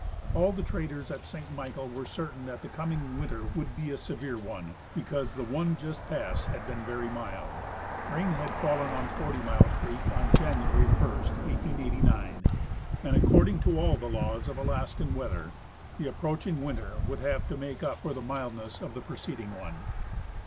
All the traders at Saint Michael Avere certain that the coming Avinter Avould be a severe one, because the one just jjassed had been very mild. Rain had fallen on Forty Mile creek on January 1, 1889, .and, according .to all the laAVS of Alaskan weather, the approaching winter would have to make up for the mildness of the preceding one.